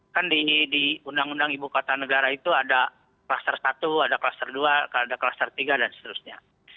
kan di undang undang ibu kota negara itu ada kluster satu ada kluster dua ada kluster tiga dan seterusnya